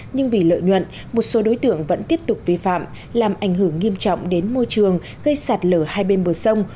nhưng vì lợi nhuận một số đối tượng vẫn tiếp tục vi phạm làm ảnh hưởng nghiêm trọng đến môi trường gây sạt lở hai bên bờ sông